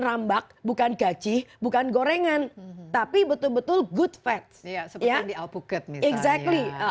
rambak bukan gaji bukan gorengan tapi betul betul good fats ya seperti di alpukat exactly